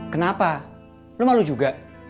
kenapa lu malu juga